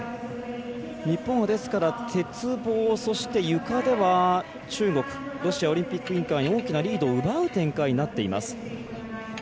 日本は鉄棒、ゆかでは中国ロシアオリンピック委員会に大きなリードを奪う展開になっています。